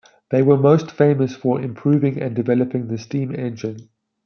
They were most famous for improving and developing the steam engine.